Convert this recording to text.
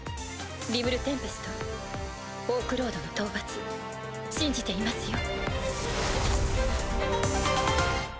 リムル＝テンペストオークロードの討伐信じていますよ。